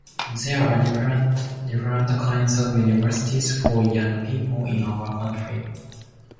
There are different kinds of Universities for young people in our country.